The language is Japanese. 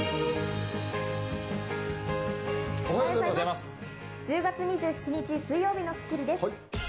おはようございます。